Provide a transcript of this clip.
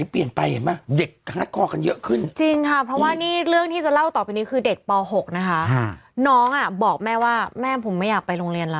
ที่จะเล่าต่อไปนี่คือเด็กป๖นะคะน้องอ่ะบอกแม่ว่าแม่ผมไม่อยากไปโรงเรียนล้อ